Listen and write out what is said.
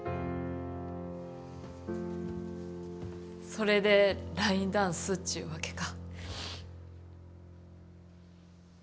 それでラインダンスっちゅうわけか。